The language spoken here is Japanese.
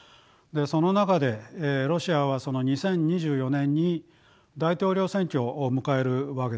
その中でロシアは２０２４年に大統領選挙を迎えるわけですね。